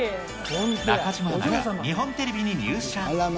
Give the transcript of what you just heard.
中島アナが日本テレビに入社。